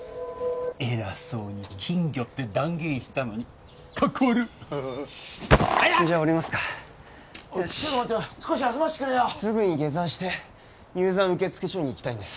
偉そうに金魚って断言したのにカッコ悪あイタ！じゃ下りますかちょっと待て少し休ませてくれよすぐに下山して入山受付所に行きたいんです